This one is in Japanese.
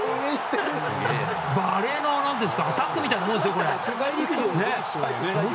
バレーのアタックみたいなものですよ。